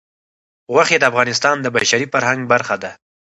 غوښې د افغانستان د بشري فرهنګ برخه ده.